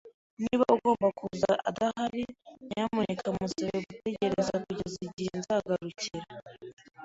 Niba agomba kuza adahari, nyamuneka musabe gutegereza kugeza igihe nzagarukira.